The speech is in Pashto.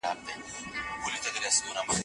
د همکارۍ کلتور د ودي لامل دی.